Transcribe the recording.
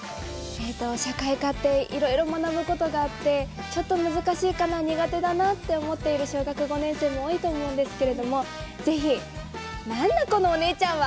社会科って、いろいろ学ぶことがあってちょっと難しいかな苦手だなと思っている小学５年生も多いと思うんですけれども、ぜひなんだこのお姉ちゃんは。